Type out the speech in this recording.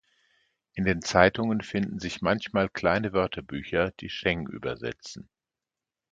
In den Zeitungen finden sich manchmal kleine Wörterbücher, die Sheng übersetzen.